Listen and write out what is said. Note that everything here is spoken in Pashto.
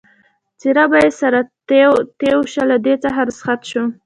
څېره به یې سره توی شوه، له دوی څخه رخصت شوم.